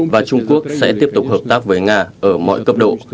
và trung quốc sẽ tiếp tục hợp tác với nga ở mọi cấp độ